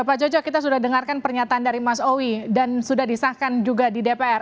pak jojo kita sudah dengarkan pernyataan dari mas owi dan sudah disahkan juga di dpr